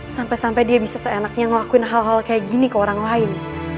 sampai sampai dia bisa seenaknya ngelakuin hal hal kayak gini ke orang lain